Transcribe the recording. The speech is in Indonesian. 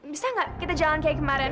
bisa nggak kita jalan kayak kemarin